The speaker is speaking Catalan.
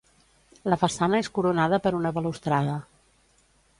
La façana és coronada per una balustrada.